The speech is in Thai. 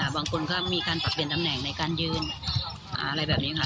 บางคนก็มีการปรับเปลี่ยนตำแหน่งในการยืนอะไรแบบนี้ค่ะ